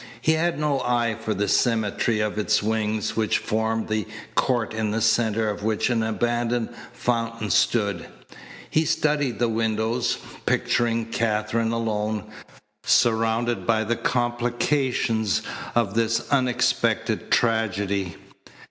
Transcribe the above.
He had no eye for the symmetry of its wings which formed the court in the centre of which an abandoned fountain stood. He studied the windows, picturing Katherine alone, surrounded by the complications of this unexpected tragedy.